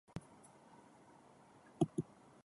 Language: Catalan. Què podia apreciar a vegades?